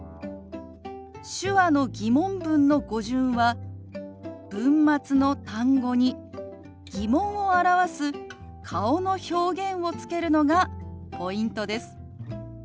手話の疑問文の語順は文末の単語に疑問を表す顔の表現をつけるのがポイントです。